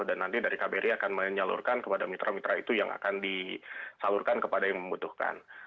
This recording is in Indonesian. dan nanti dari kbri akan menyalurkan kepada mitra mitra itu yang akan disalurkan kepada yang membutuhkan